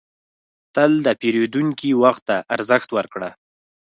تل د پیرودونکي وخت ته ارزښت ورکړه.